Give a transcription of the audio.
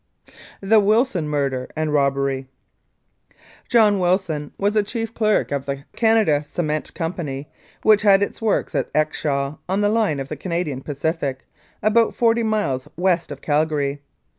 The Wilson Murder and Robbery John Wilson was chief clerk of the Canada Cement Company, which had its works at Exshaw, on the line of the Canadian Pacific, about forty miles west of Cal gary.